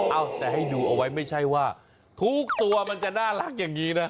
เอ้าแต่ให้ดูเอาไว้ไม่ใช่ว่าทุกตัวมันจะน่ารักอย่างนี้นะ